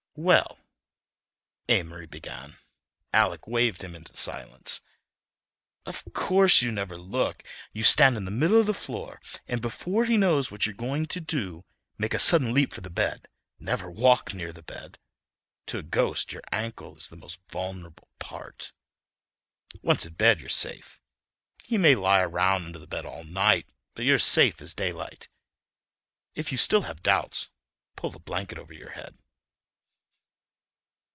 "Well" Amory began. Alec waved him into silence. "Of course you never look. You stand in the middle of the floor and before he knows what you're going to do make a sudden leap for the bed—never walk near the bed; to a ghost your ankle is your most vulnerable part—once in bed, you're safe; he may lie around under the bed all night, but you're safe as daylight. If you still have doubts pull the blanket over your head."